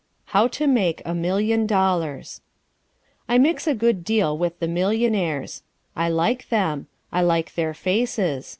How to Make a Million Dollars I mix a good deal with the Millionaires. I like them. I like their faces.